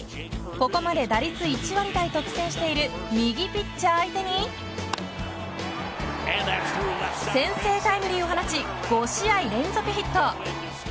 ここまで打率１割台と苦戦している右ピッチャー相手に先制タイムリーを放ち５試合連続ヒット。